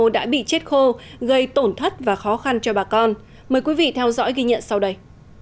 đã bị chết khô gây tổn thất và khó khăn cho bà con mời quý vị theo dõi ghi nhận sau đây